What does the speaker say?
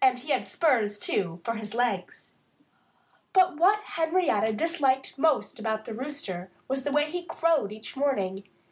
And he had spurs, too, for his legs. But what Henrietta Hen disliked most about the Rooster was the way he crowed each morning.